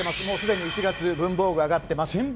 もうすでに１月、文房具上がってます。